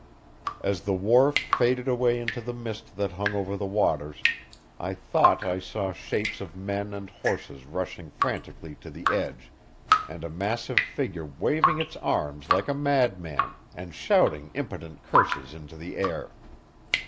As the wharf faded away into the mist that hung over the waters I thought I saw shapes of men and horses rushing frantically to the edge, and a massive figure waving its arms like a madman, and shouting impotent curses into the air.